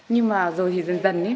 nhưng mà rồi thì dần dần ấy